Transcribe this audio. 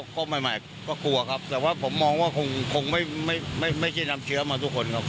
ก็ใหม่ก็กลัวครับแต่ว่าผมมองว่าคงไม่ใช่นำเชื้อมาทุกคนครับ